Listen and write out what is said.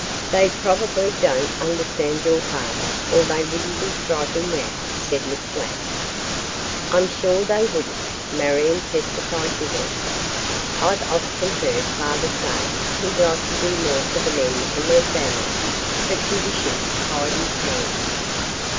"They probably don't understand your father or they wouldn't be striking now," said Miss Ladd. "I'm sure they wouldn't," Marion testified vigorously. "I've often heard father say he'd like to do more for the men and their families but conditions tied his hands.